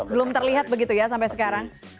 belum terlihat begitu ya sampai sekarang